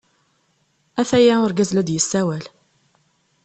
Ataya urgaz la d-yessawal.